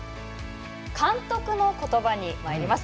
監督の言葉にまいります。